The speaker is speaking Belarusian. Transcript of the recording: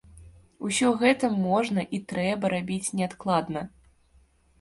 Усё гэта можна і трэба рабіць неадкладна.